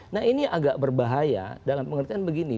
nah ini agak berbahaya dalam pengertian begini